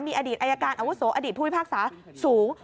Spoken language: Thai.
มีอดีตไอ้อาการอาวุศโสอดีตภูมิภาคศาสูร์